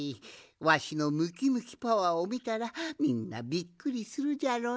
わしのムキムキパワーをみたらみんなびっくりするじゃろうな。